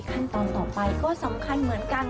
ขั้นตอนต่อไปก็สำคัญเหมือนกัน